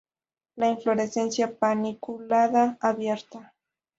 La inflorescencia paniculada; abierta.